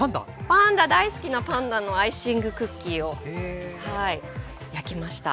パンダ大好きなパンダのアイシングクッキーを焼きました。